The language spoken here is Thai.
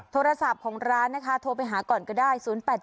โทรศัพท์ของร้านโทรไปหาก่อนก็ได้๐๘๗๒๑๐๘๕๓๙